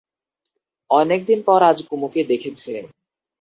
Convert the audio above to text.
অনেক দিন পরে আজ কুমুকে দেখেছে।